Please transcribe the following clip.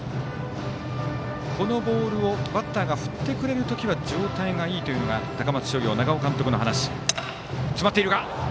このボールをバッターが振ってくれる時は状態がいいというのは高松商業の長尾監督の話。